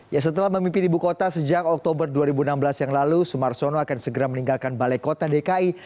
ya setelah memimpin ibu kota sejak oktober dua ribu enam belas yang lalu sumarsono akan segera meninggalkan balai kota dki